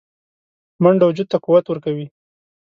منډه وجود ته قوت ورکوي